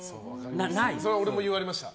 それは俺も言われました。